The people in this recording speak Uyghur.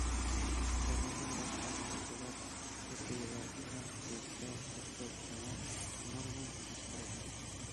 بۇنىڭدىن باشقا مەھسۇلات قېپى ۋە ئېلان سۆزىدە شىركەت يەنە نۇرغۇن كۈچ چىقىرىدۇ.